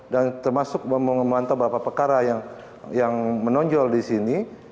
dan termasuk mengomentar beberapa perkara yang menonjol di sini